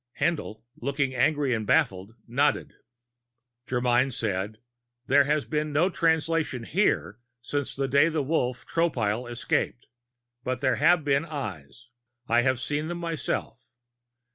Haendl, looking angry and baffled, nodded. Germyn said: "There has been no Translation here since the day the Wolf, Tropile, escaped. But there have been Eyes. I have seen them myself.